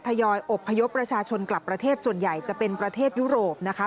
ทยอยอบพยพประชาชนกลับประเทศส่วนใหญ่จะเป็นประเทศยุโรปนะคะ